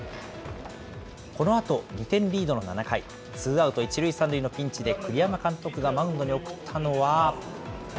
このあと、２点リードの７回、ツーアウト１塁３塁のピンチで栗山監督がマウンドに送ったのは。